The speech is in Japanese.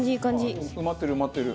埋まってる埋まってる。